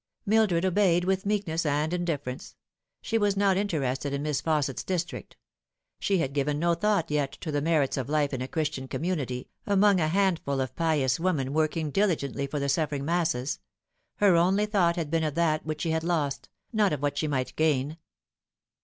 Mildred obeyed with meekness and indifference. She wag not interested in Miss Fausset's district; she had given no thought yet to the merits of lif e in a Christian community, among a handful of pious women working diligently for the suffering masses. Her only thought had been of that which she had lost, not of what she might gain.